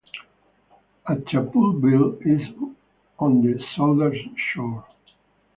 Achaphubuil is on the southern shore.